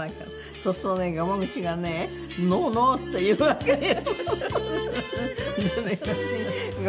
そうするとねがま口がね「ノー！ノー！」って言うわけよ。